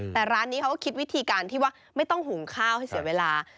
แต่ร้านนี้เขาก็คิดวิธีการที่ว่าไม่ต้องหุงข้าวให้เสียเวลา